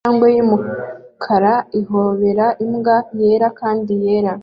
Injangwe y'umukara ihobera imbwa yera kandi yera